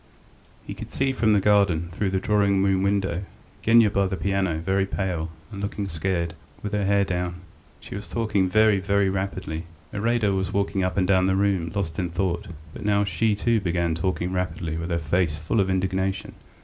He could see from the garden, through the drawing room window, Genya by the piano, very pale, and looking scared, with her hair down. She was talking very, very rapidly. ... Iraida was walking up and down the room, lost in thought; but now she, too, began talking rapidly with her face full of indignation.